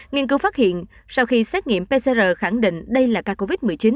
nghiên cứu phát hiện sau khi xét nghiệm pcr khẳng định đây là ca covid một mươi chín